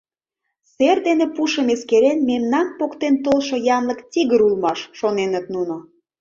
Сер дене пушым эскерен, мемнам поктен толшо янлык тигр улмаш, шоненыт нуно.